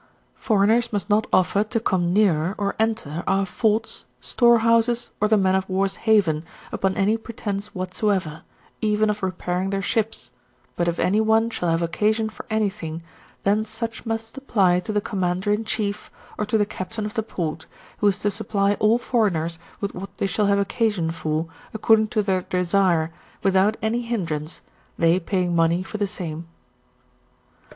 Foreigners must not offer to come near, or enter, our forts, store houses, or the Man of War's Haven, upon any pretence whatsoever, even of repairing their ships; but if any one shall have occasion for any thin^, then such must apply to the commander in chief, or to the captain of the port, who is to supply all foreigners with what they shall have occasion for, according to their desire, without any hindrance, they paying money fixr the same.